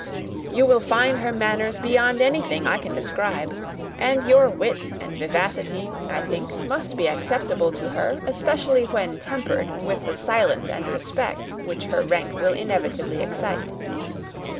You will find her manners beyond anything I can describe; and your wit and vivacity, I think, must be acceptable to her, especially when tempered with the silence and respect which her rank will inevitably excite.